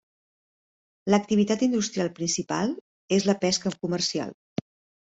L'activitat industrial principal és la pesca comercial.